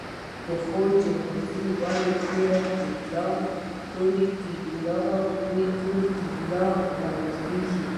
د خوست جلغوزي ولې تور طلایی بلل کیږي؟